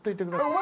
お！